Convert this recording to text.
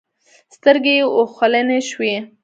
سترګې يې اوښلن شوې.